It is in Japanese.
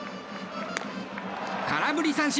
空振り三振！